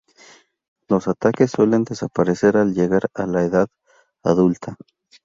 Los ataques suelen desaparecer al llegar a la edad adulta.